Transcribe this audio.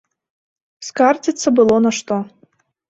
Скардзіцца было на што.